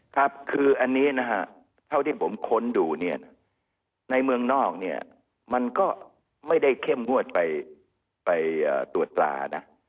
ครับคืออันนี้นะฮะเท่าที่ผมค้นดูเนี่ยในเมืองนอกเนี่ยมันก็ไม่ได้เข้มงวดไปตรวจตรานะ